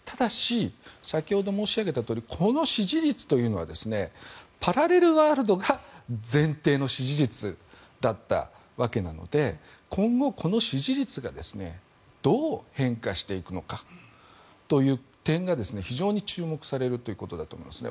先ほど申し上げたようにこの支持率というのはパラレルワールドが前提の支持率だったので今後、この支持率がどう変化していくのかという点が非常に注目されるということですね。